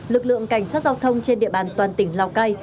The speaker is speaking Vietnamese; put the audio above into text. lực lượng cảnh sát giao thông trên địa bàn toàn tỉnh lào cai